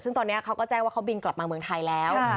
ซึ่งตอนนี้เขาก็แจ้งว่าเขาบินกลับมาเมืองไทยแล้ว